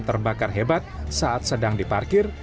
terbakar hebat saat sedang diparkir